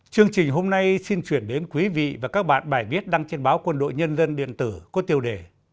chương trình hôm nay xin chuyển đến quý vị và các bạn bài viết đăng trên báo quân đội nhân dân điện tử có tiêu đề